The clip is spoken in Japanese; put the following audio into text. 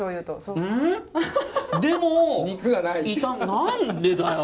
何でだよ。